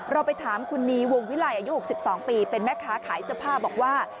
เราไปถามคุณนีวงวิลัยอายุ๖๒ปีเป็นแม่ค้าขายเสื้อผ้าบอกว่า